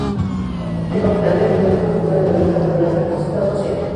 No obstante, los estímulos pueden tener una naturaleza física o social.